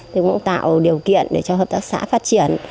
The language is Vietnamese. thì cũng tạo điều kiện để cho hợp tác xã phát triển